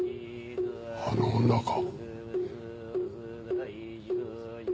あの女か？